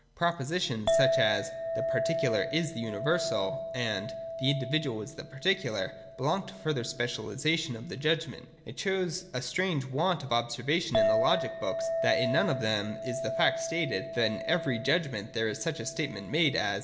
[Propositions such as, ' The particular is the universal,' and 'The individual is the particular,' belong to the further specialisation of the judgment.] It 298 THE DOCTRINE OF THE NOTION. [166. shows a strange want of observation in the logic books, that in none of them is the fact stated, that in every judgment there is such a statement made, as.